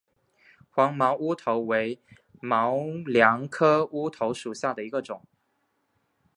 黄毛乌头为毛茛科乌头属下的一个种。